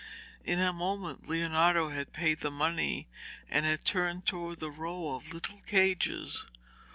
In a moment Leonardo had paid the money and had turned towards the row of little cages.